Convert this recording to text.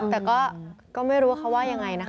แต่ก็ไม่รู้ว่าเขาว่ายังไงนะคะ